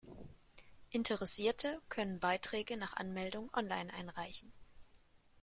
Interessierte können Beiträge nach Anmeldung online einreichen.